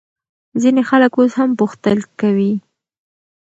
ځینې خلک اوس هم پوښتل کوي.